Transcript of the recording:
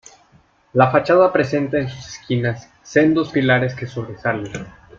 La fachada presenta en sus esquinas sendos pilares que sobresalen.